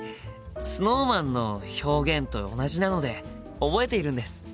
ＳｎｏｗＭａｎの表現と同じなので覚えているんです！